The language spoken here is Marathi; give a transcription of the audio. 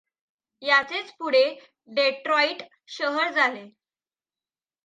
याचेच पुढे डेट्रॉईट शहर झाले.